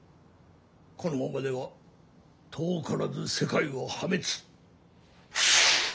このままでは遠からず世界は破滅！